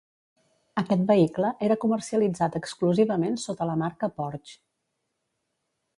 Aquest vehicle era comercialitzat exclusivament sota la marca Porsche.